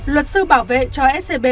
luật sư bảo vệ cho scb